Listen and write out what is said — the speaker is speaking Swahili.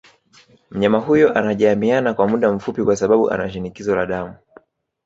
Mnyama huyo anajamiana kwa muda mfupi kwa sababu anashinikizo la damu